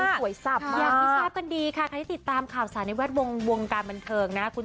อย่ากลิกทราบกันดีค่ะเมื่อติดตามการนึกออกงานของข่าวสารในแวดวงวงการบันเทิงนะครับ